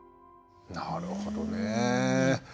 なるほどねえ。